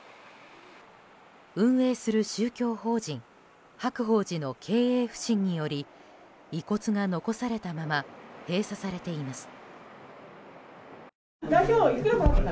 運営する宗教法人白鳳寺の経営不振により遺骨が残されたまま閉鎖されています。